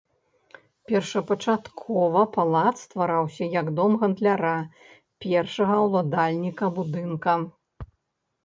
Першапачаткова палац ствараўся як дом гандляра, першага ўладальніка будынка.